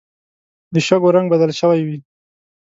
د شګو رنګ بدل شوی وي